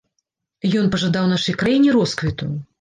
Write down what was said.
Ён пажадаў нашай краіне росквіту.